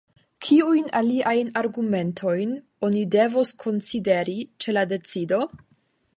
Kiujn aliajn argumentojn oni devos konsideri ĉe la decido?